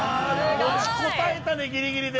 持ちこたえたねギリギリで。